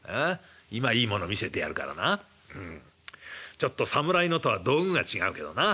ちょっと侍のとは道具が違うけどな。